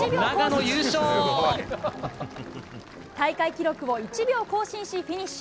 大会記録を１秒更新し、フィニッシュ。